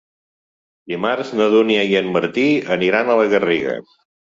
Dimarts na Dúnia i en Martí aniran a la Garriga.